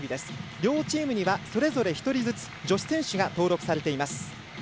両チームにはそれぞれ１人ずつ女子選手が登録されています。